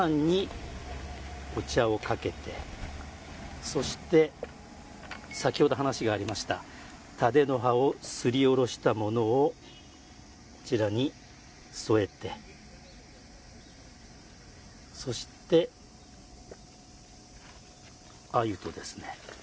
まずごはんにお茶をかけてそして先ほど話がありました蓼の葉をすりおろしたものをこちらに添えてそしてあゆとですね